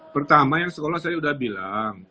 pertama yang sekolah saya sudah bilang